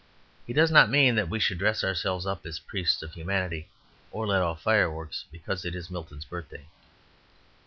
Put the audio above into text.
He does not mean that we should dress ourselves up as priests of humanity or let off fireworks because it is Milton's birthday.